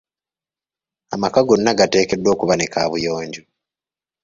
Amaka gonna gateekeddwa okuba ne kaabuyonjo.